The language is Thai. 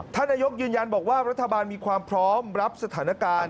ท่านนายกยืนยันบอกว่ารัฐบาลมีความพร้อมรับสถานการณ์